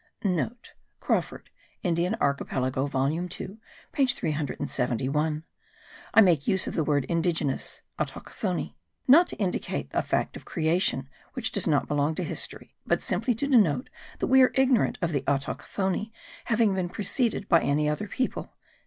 *(* Crawfurd, Indian Archipelago volume 2 page 371. I make use of the word indigenous (autocthoni) not to indicate a fact of creation, which does not belong to history, but simply to denote that we are ignorant of the autocthoni having been preceded by any other people.)